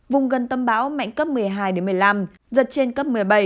vùng gần tâm bão mạnh cấp một mươi hai một mươi năm giật trên cấp một mươi bảy